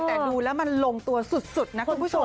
แต่ดูแล้วมันลงตัวสุดนะคุณผู้ชม